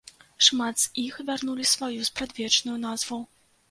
Шмат з іх вярнулі сваю спрадвечную назву.